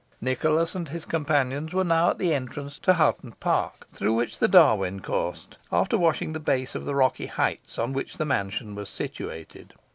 Nicholas and his companions were now at the entrance to Hoghton Park, through which the Darwen coursed, after washing the base of the rocky heights on which the mansion was situated.